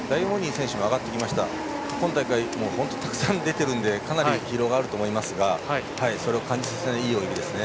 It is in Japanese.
今大会、たくさん出ているのでかなり疲労があると思いますがそれを感じさせないいい泳ぎですね。